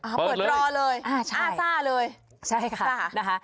อ่าเปิดตรอเลยอ่าใช่อ่าซ่าเลยใช่ค่ะซ่านะคะ